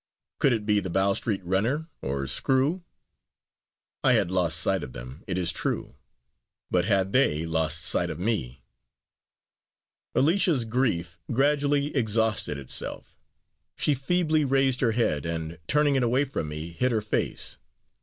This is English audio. Could it be the Bow Street runner, or Screw? I had lost sight of them, it is true; but had they lost sight of me? Alicia's grief gradually exhausted itself. She feebly raised her head, and, turning it away from me, hid her face.